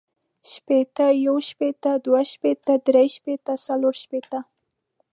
شپیته، یو شپیته، دوه شپیته، درې شپیته، څلور شپیته